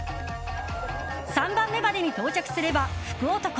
３番目までに到着すれば福男。